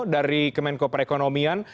dari kemenko perekonomian